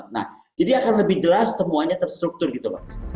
nah jadi akan lebih jelas semuanya terstruktur gitu pak